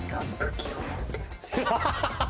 ハハハハハ！